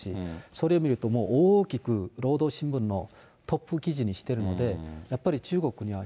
それを見るともう大きく労働新聞のトップ記事にしてるので、やっぱり中国には、